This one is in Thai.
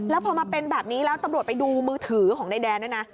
แล้วพอมาเป็นแบบนี้แล้วตำรวจไปดูมือถือของนายแดนด้วยนะ